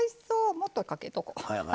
もっとかけとこう。